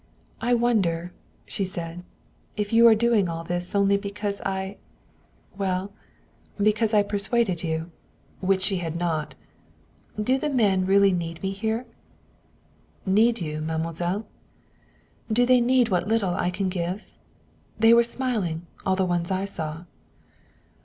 "I wonder," she said, "if you are doing all this only because I well, because I persuaded you." Which she had not. "Do the men really need me here?" "Need you, mademoiselle?" "Do they need what little I can give? They were smiling, all the ones I saw."